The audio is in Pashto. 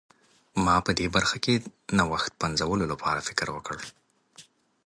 ما په دې برخه کې نوښت پنځولو لپاره فکر وکړ.